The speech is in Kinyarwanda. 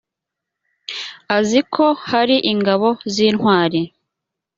azi ko hari ingabo z’intwari